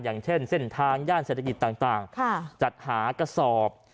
อย่างเช่นเส้นทางย่านเศรษฐกิจต่างจัดหากระสอบ